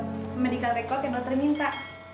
pembedikan rekod yang dokter minta